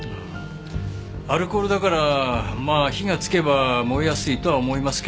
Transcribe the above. アルコールだからまあ火がつけば燃えやすいとは思いますけど。